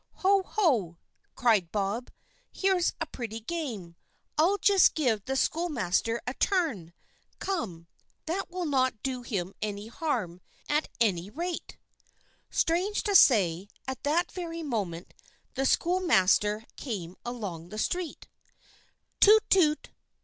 "Ho! ho!" cried Bob, "here's a pretty game; I'll just give the schoolmaster a turn. Come, that will not do him any harm, at any rate!" Strange to say, at that very moment the schoolmaster came along the street. "Toot! toot!